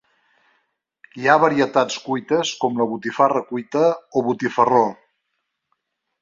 Hi ha varietats cuites com la botifarra cuita o botifarró.